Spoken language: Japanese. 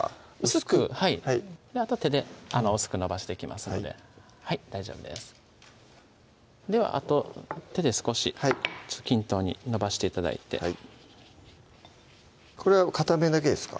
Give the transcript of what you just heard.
薄くあとは手で薄くのばしていきますので大丈夫ですではあと手で少し均等にのばして頂いてこれは片面だけですか？